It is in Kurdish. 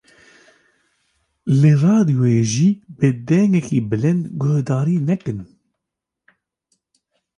Li radyoyê jî bi dengekî bilind guhdar nekin.